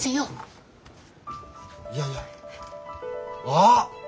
いやいやあっ！